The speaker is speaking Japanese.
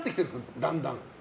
だんだん。